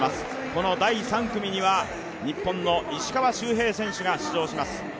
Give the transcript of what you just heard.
この第３組には日本の石川周平選手が出場します。